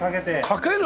かける！？